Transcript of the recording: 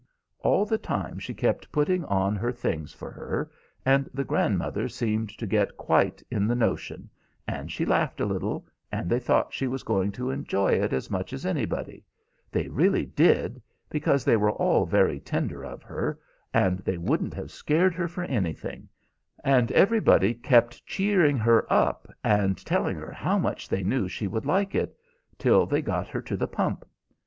All the time she kept putting on her things for her, and the grandmother seemed to get quite in the notion, and she laughed a little, and they thought she was going to enjoy it as much as anybody; they really did, because they were all very tender of her, and they wouldn't have scared her for anything, and everybody kept cheering her up and telling her how much they knew she would like it, till they got her to the pump.